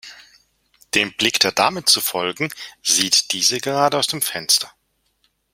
Dem Blick der Dame zu folgen, sieht diese gerade aus dem Fenster.